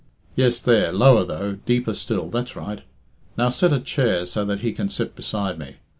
Yes, there lower, though, deeper still that's right. Now set a chair, so that he can sit beside me.